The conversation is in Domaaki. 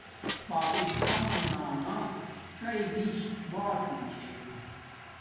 پاکستانانا څݵ بیش باݽݸنݣ چھے